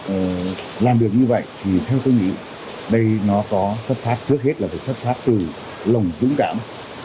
và làm được như vậy thì theo tôi nghĩ đây nó có xuất phát trước hết là phải xuất phát từ lòng dũng cảm